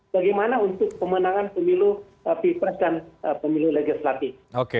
bagaimana untuk pemenangan pemilu pilpres dan pemilu legislatif